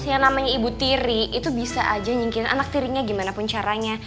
yang namanya ibu tiri itu bisa aja nyingkirin anak tirinya gimana pun caranya